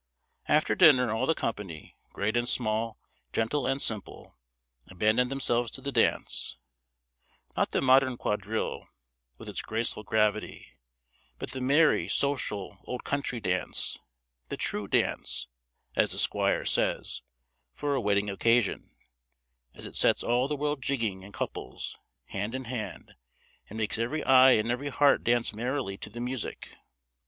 After dinner all the company, great and small, gentle and simple, abandoned themselves to the dance: not the modern quadrille, with its graceful gravity, but the merry, social, old country dance; the true dance, as the squire says, for a wedding occasion; as it sets all the world jigging in couples; hand in hand, and makes every eye and every heart dance merrily to the music.